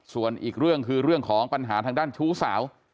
ส่วนอีกเรื่องคือเรื่องของปัญหาทางด้านชู้สาว